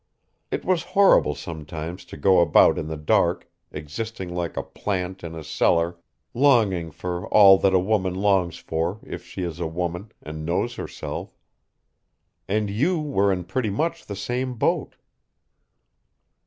It was horrible sometimes to go about in the dark, existing like a plant in a cellar, longing for all that a woman longs for if she is a woman and knows herself. And you were in pretty much the same boat."